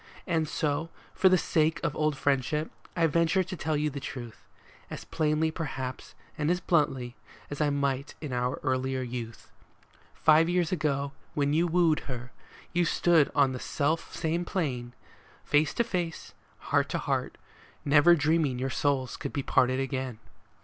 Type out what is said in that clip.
And so, for the sake of old friendship, I venture to tell you the truth, As plainly, perhaps, and as bluntly, as I might in our earlier youth. Five summers ago, when you wooed her, you stood on the self same plane, Face to face, heart to heart, never dreaming your souls could be parted again.